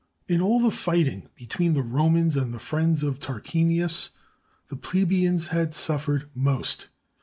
In all the fighting between the Romans and the friends of Tarquinius, the plebeians had suffered most.